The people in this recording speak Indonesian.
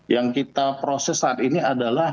yang kita proses saat ini adalah